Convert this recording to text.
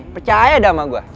percaya udah sama gue